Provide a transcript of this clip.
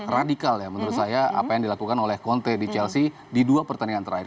radikal ya menurut saya apa yang dilakukan oleh konte di chelsea di dua pertandingan terakhir